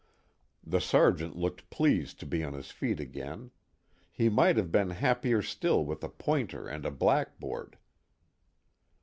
The Sergeant looked pleased to be on his feet again; he might have been happier still with a pointer and a blackboard.